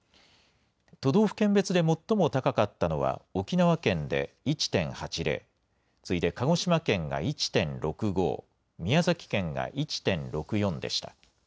都道府県別で最も高かったのは沖縄県で１．８０、次いで鹿児島県が１．６５、宮崎県が１．６４でした。